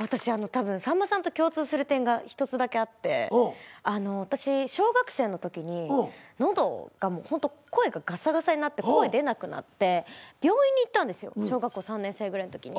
私たぶんさんまさんと共通する点が１つだけあって私小学生のときに喉が声がガサガサになって声出なくなって病院に行ったんですよ小学校３年生ぐらいのときに。